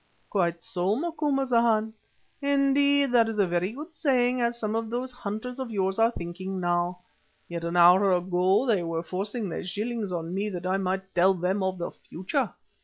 '" "Quite so, O Macumazana. Also that is a very good saying as some of those hunters of yours are thinking now. Yet an hour ago they were forcing their shillings on me that I might tell them of the future.